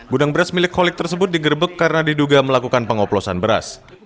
gudang beras milik holik tersebut digerebek karena diduga melakukan pengoplosan beras